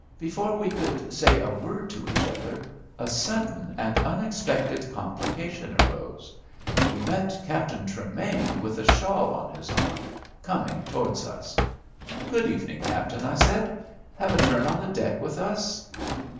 Before we could say a word to each other a sadden and unexpected complication arose. We met Captain Tremain, with a shawl on his arm, coming towards us. "Good evening, captain," I said; "have a turn on the deck with us?"